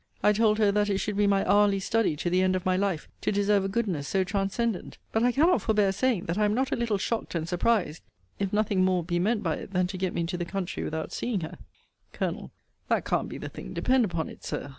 I told her that it should be my hourly study, to the end of my life, to deserve a goodness so transcendent.' But I cannot forbear saying that I am not a little shocked and surprised, if nothing more be meant by it than to get me into the country without seeing her. Col. That can't be the thing, depend upon it, Sir.